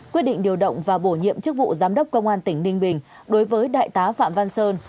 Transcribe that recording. quyết định điều động và bổ nhiệm chức vụ giám đốc công an tỉnh ninh bình đối với đại tá phạm văn sơn